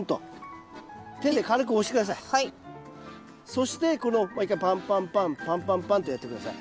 そしてもう一回パンパンパンパンパンパンとやって下さい。